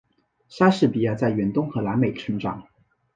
莎士比亚在远东和南美成长。